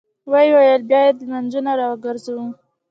ويې ويل: بايد لمونځونه راوګرځوو!